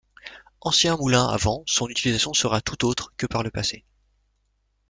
Ancien moulin à vent, son utilisation sera toute autre que par le passé.